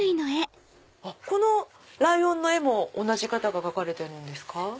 このライオンの絵も同じ方が描かれてるんですか？